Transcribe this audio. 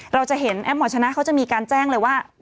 เราจะเห็นแอปหมอชนะเขาจะมีการแจ้งเลยว่า